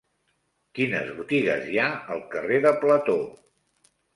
Quines botigues hi ha al carrer de Plató?